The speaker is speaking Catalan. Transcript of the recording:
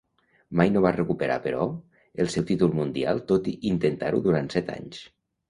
Mai no va recuperar, però, el seu títol mundial tot i intentar-ho durant set anys.